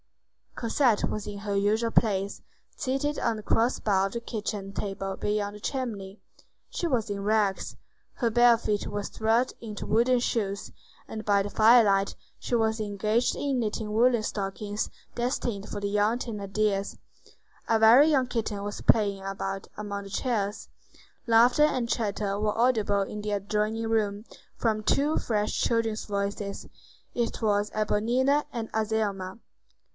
Cosette was in her usual place, seated on the cross bar of the kitchen table near the chimney. She was in rags; her bare feet were thrust into wooden shoes, and by the firelight she was engaged in knitting woollen stockings destined for the young Thénardiers. A very young kitten was playing about among the chairs. Laughter and chatter were audible in the adjoining room, from two fresh children's voices: it was Éponine and Azelma.